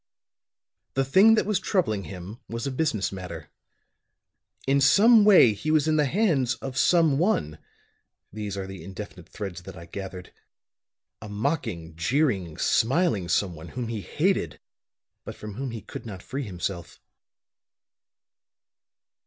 "The thing that was troubling him was a business matter. In some way he was in the hands of some one these are the indefinite threads that I gathered a mocking, jeering, smiling someone whom he hated, but from whom he could not free himself.